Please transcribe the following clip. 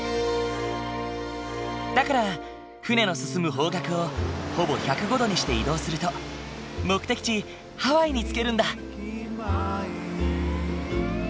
だから船の進む方角をほぼ１０５度にして移動すると目的地ハワイに着けるんだ。